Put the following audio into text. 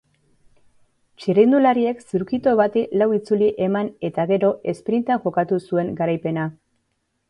Txirrindulariek zirkuitu bati lau itzuli eman eta gero esprintean jokatu zuen garaipena.